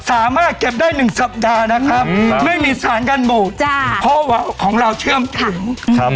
สามารถเก็บได้หนึ่งสัปดาห์นะครับอืมไม่มีสารการโบกจ้ะเพราะว่าของเราเชื่อมขังครับ